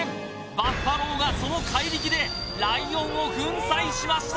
バッファローがその怪力でライオンを粉砕しました